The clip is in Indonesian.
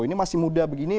ini masih muda begini